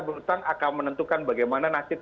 berutang akan menentukan bagaimana nasib